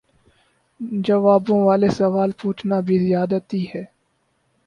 جوابوں والے سوال پوچھنا بھی زیادتی ہے